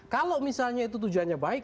kalau misalnya itu tujuannya baik